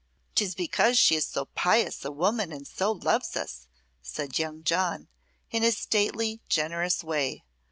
"'Tis because she is so pious a woman and so loves us," said young John, in his stately, generous way.